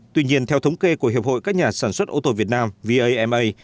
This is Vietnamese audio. tuy nhiên theo thống kê của hiệp hội các nhà sản xuất ô tô việt nam vama